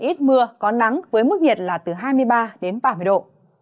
ít mưa có nắng với mức nhiệt là từ hai mươi ba đến ba mươi độ